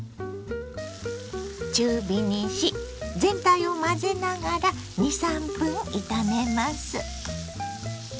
中火にし全体を混ぜながら２３分炒めます。